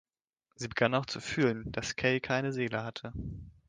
Sie begann auch zu fühlen, dass Kay keine Seele hatte.